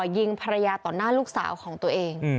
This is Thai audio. ยิงภรรยาต่อหน้าลูกสาวของตัวเอง